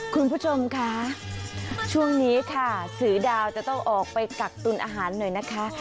คุณผู้ชมคะช่วงนี้ค่ะเสือดาวจะต้องออกไปกักตุลอาหารหน่อยนะคะ